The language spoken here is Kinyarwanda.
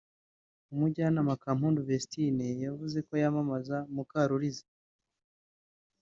umujyanama Kampundu Vestine yavuze ko yamamaza Mukaruliza